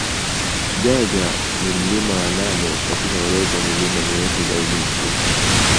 Jaeger ni mlima wa nane katika orodha milima mirefu zaidi nchini